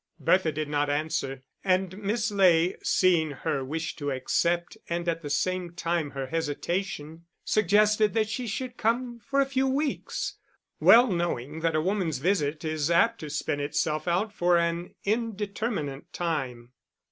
Bertha did not answer, and Miss Ley, seeing her wish to accept and at the same time her hesitation, suggested that she should come for a few weeks, well knowing that a woman's visit is apt to spin itself out for an indeterminate time.